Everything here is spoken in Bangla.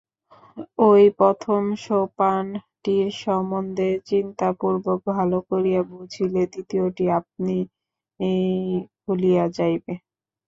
ঐ প্রথম সোপানটির সম্বন্ধে চিন্তাপূর্বক ভাল করিয়া বুঝিলে দ্বিতীয়টি আপনিই খুলিয়া যাইবে।